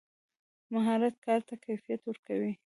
مهارت کار ته کیفیت ورکوي.